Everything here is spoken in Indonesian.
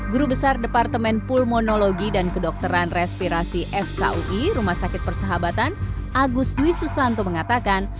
guru besar departemen pulmonologi dan kedokteran respirasi fkui rumah sakit persahabatan agus dwi susanto mengatakan